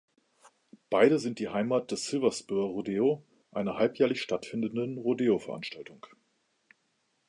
Beide sind die Heimat des Silver Spurs Rodeo, einer halbjährlich stattfindenden Rodeo-Veranstaltung.